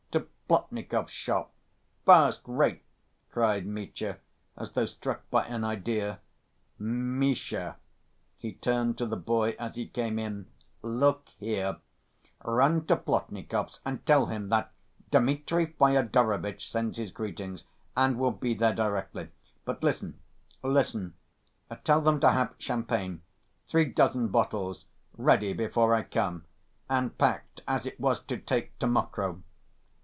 "To Plotnikov's shop—first‐rate!" cried Mitya, as though struck by an idea. "Misha," he turned to the boy as he came in, "look here, run to Plotnikov's and tell them that Dmitri Fyodorovitch sends his greetings, and will be there directly.... But listen, listen, tell them to have champagne, three dozen bottles, ready before I come, and packed as it was to take to Mokroe.